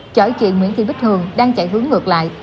chở ý kiện nguyễn thiên bích hường đang chạy hướng ngược lại